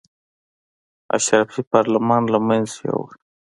اشرافي پارلمان له منځه یې یووړ.